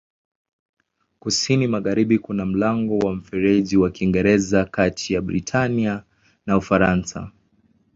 Kusini-magharibi kuna mlango wa Mfereji wa Kiingereza kati ya Britania na Ufaransa.